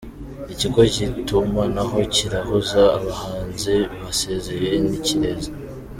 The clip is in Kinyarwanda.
Ikigo kitumanaho kirahuza abahanzi basezeye n’Ikirezi